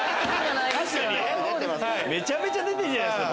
めちゃめちゃ出てるじゃないですか